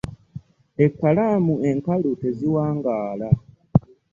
Ekkalaamu enkalu teziwangaala.